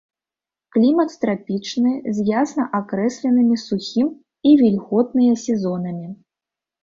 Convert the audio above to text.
Клімат трапічны з ясна акрэсленымі сухім і вільготныя сезонамі.